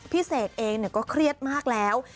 เสกเองก็เครียดมากแล้ว